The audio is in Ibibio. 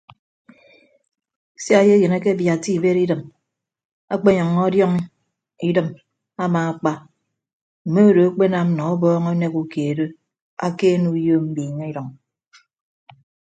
Sia eyeyịn akebiatta ibed idịm akpenyʌññọ ọdiọñ idịm amaakpa mme odo akpenam nọ ọbọọñ anek ukeed akeene uyo mbiiñe idʌñ.